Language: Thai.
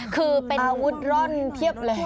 คือเป็นอาวุธร่อนเพียบเลย